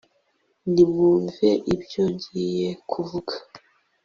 nimwumve ibyo ngiye kuvuga